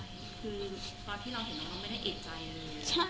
คือตอนที่เราเห็นเราก็ไม่ได้เอกใจเลย